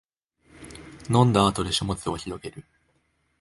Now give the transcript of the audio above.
飲んだ後で書物をひろげる